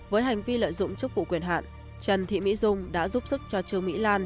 với hành vi lợi dụng chức vụ quyền hạn trần thị mỹ dung đã giúp sức cho trương mỹ lan